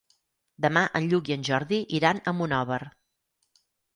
Demà en Lluc i en Jordi iran a Monòver.